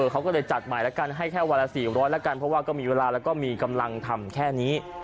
เขาก็เลยจัดใหม่แล้วกันให้แค่วันละ๔๐๐แล้วกันเพราะว่าก็มีเวลาแล้วก็มีกำลังทำแค่นี้